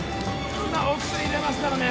今お薬入れますからね